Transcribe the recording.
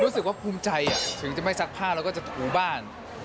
รู้สึกว่าภูมิใจถึงจะไม่ซักผ้าแล้วก็จะถูบ้าน